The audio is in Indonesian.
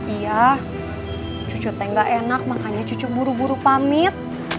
iya cucu tengga enak makanya cucu buru buru pamit